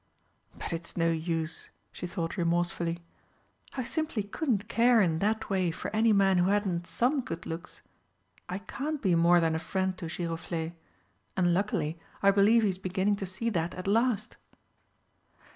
"But it's no use," she thought remorsefully, "I simply couldn't care in that way for any man who hadn't some good looks. I can't be more than a friend to Giroflé and, luckily, I believe he's beginning to see that at last!"